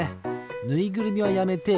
ぬいぐるみはやめて。